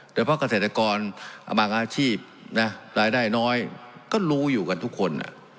แต่เพราะเกษตรกรบางอาชีพนะรายได้น้อยก็รู้อยู่กันทุกคน